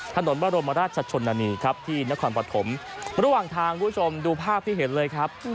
ถนนบรมราชชนนานีครับที่นครปฐมระหว่างทางคุณผู้ชมดูภาพที่เห็นเลยครับ